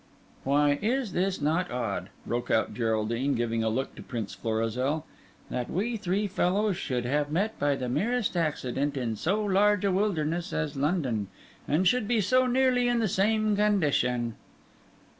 "Why, is this not odd," broke out Geraldine, giving a look to Prince Florizel, "that we three fellows should have met by the merest accident in so large a wilderness as London, and should be so nearly in the same condition?"